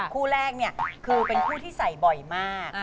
คู่แรกเนี่ยคือเป็นคู่ที่ใส่บ่อยมาก